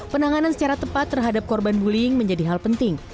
penanganan secara tepat terhadap korban bullying menjadi hal penting